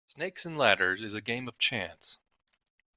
Snakes and ladders is a game of chance.